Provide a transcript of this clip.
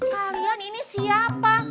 kalian ini siapa